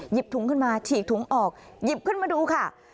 หยิบถุงขึ้นมาฉีกถุงออกหยิบขึ้นมาดูค่ะ